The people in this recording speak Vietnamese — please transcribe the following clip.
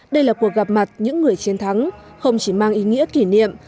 đây là cuộc gặp mặt những người chiến thắng không chỉ mang ý nghĩa kỷ niệm